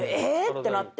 ⁉ってなって。